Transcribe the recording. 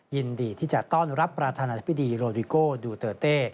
ยินดีที่จะต้อนรับประธานาธิบดีโรดิโก้ดูเตอร์เต้